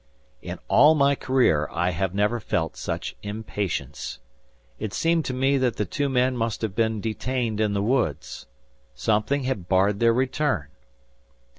In all my career I have never felt such impatience. It seemed to me that the two men must have been detained in the woods. Something had barred their return.